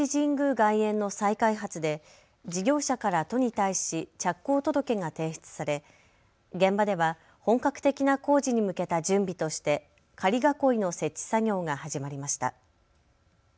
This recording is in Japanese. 外苑の再開発で事業者から都に対し着工届が提出され現場では本格的な工事に向けた準備として仮囲いの設置作業が始まりました。